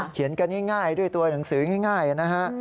กันง่ายด้วยตัวหนังสือง่ายนะฮะ